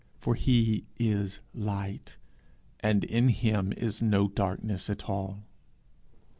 For he is light, and in him is no darkness at all.